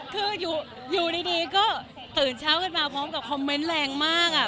คืออยู่ดีก็ตื่นเช้ากันมาพร้อมกับคอมเมนต์แรงมาก